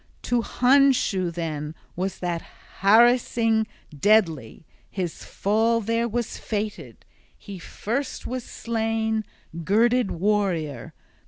To Hondscio then was that harassing deadly, his fall there was fated. He first was slain, girded warrior.